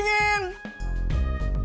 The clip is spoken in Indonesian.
cendol manis dingin